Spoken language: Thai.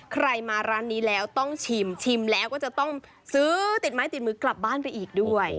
ใครมาร้านนี้แล้วต้องชิมชิมแล้วก็จะต้องซื้อติดไม้ติดมือกลับบ้านไปอีกด้วย